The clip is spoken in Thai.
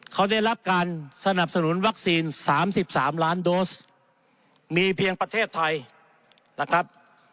เขาได้รับการสนับสนุนวัคซีน๓๓ล้านโดสมีเพียงประเทศไทยนะครับ